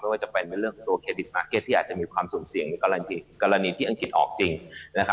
ว่าจะเป็นในเรื่องของตัวเครดิตปาร์เก็ตที่อาจจะมีความสุ่มเสี่ยงในกรณีที่อังกฤษออกจริงนะครับ